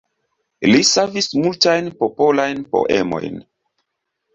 Li savis multajn popolajn poemojn.